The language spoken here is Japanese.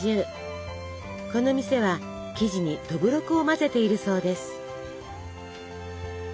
この店は生地にどぶろくを混ぜているそうです。